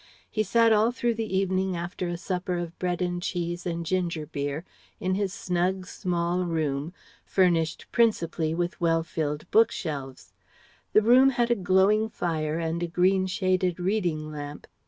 He sat all through the evening after a supper of bread and cheese and ginger beer in his snug, small room, furnished principally with well filled book shelves. The room had a glowing fire and a green shaded reading lamp.